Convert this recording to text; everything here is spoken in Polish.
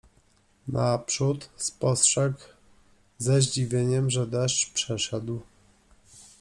Naprzód spostrzegł ze zdziwieniem, że deszcz przeszedł.